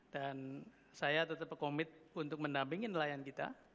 dan saya tetap komit untuk mendampingi nelayan kita